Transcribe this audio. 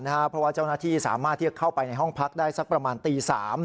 เพราะว่าเจ้าหน้าที่สามารถที่จะเข้าไปในห้องพักได้สักประมาณตี๓